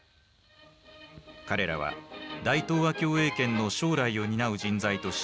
彼らは大東亜共栄圏の将来を担う人材として盛大な歓迎を受けた。